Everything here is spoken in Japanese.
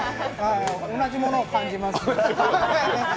同じものを感じます。